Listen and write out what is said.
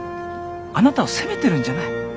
あなたを責めてるんじゃない。